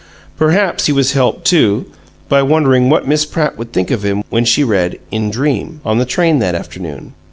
Perhaps he was helped, too, by wondering what Miss Pratt would think of him when she read "In Dream," on the train that afternoon.